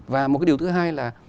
và một điều thứ hai là